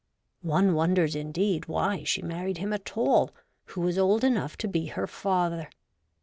One wonders, indeed, why she married him at all, who was old enough to be her father.